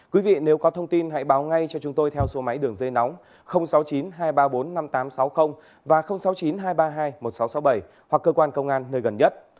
quý vị nếu có thông tin hãy báo ngay cho chúng tôi theo số máy đường dây nóng sáu mươi chín hai trăm ba mươi bốn năm nghìn tám trăm sáu mươi và sáu mươi chín hai trăm ba mươi hai một nghìn sáu trăm sáu mươi bảy hoặc cơ quan công an nơi gần nhất